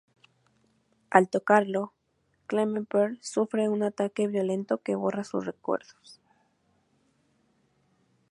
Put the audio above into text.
Al tocarlo, Klemperer sufre un ataque violento que borra sus recuerdos.